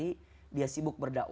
di siang hari dia sibuk berdakwah